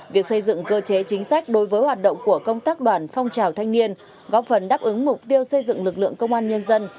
việc xây dựng cơ chế chính sách đối với hoạt động của công tác đoàn phong trào thanh niên góp phần đáp ứng mục tiêu xây dựng lực lượng công an nhân dân